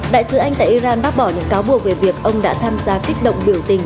đại sứ anh tại iran bác bỏ những cáo buộc về việc ông đã tham gia kích động biểu tình